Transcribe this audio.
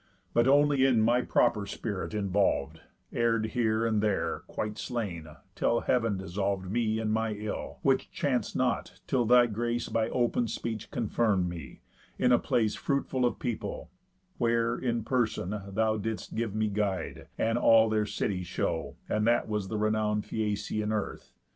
But only in my proper spirit involv'd, Err'd here and there, quite slain, till heav'n dissolv'd Me, and my ill; which chanc'd not, till thy grace By open speech confirm'd me, in a place Fruitful of people, where, in person, thou Didst give me guide, and all their city show; And that was the renown'd Phæacian earth.